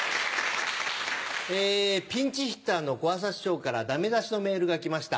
ピンチヒッターの小朝師匠からダメ出しのメールが来ました。